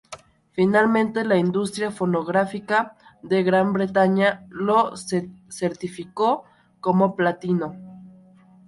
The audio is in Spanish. Finalmente, la Industria Fonográfica de Gran Bretaña lo certificó como platino.